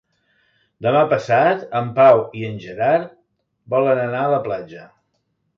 Demà passat en Pau i en Gerard volen anar a la platja.